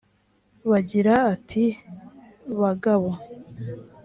b agira ati bagabo